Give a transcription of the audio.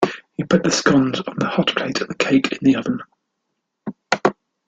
He put the scones on the hotplate, and the cake in the oven